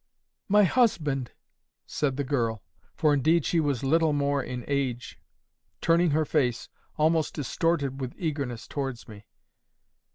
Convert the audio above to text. "'My husband!' said the girl—for indeed she was little more in age, turning her face, almost distorted with eagerness, towards me.